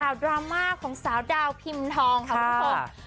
สาวดราม่าของสาวดาวพิมพ์ทองครับทุกคน